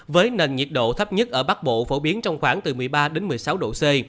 với nền nhiệt độ thấp nhất ở bắc bộ phổ biến trong khoảng từ một mươi ba đến một mươi sáu độ c